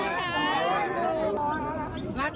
อยู่ต่ออยู่ต่ออยู่ต่อ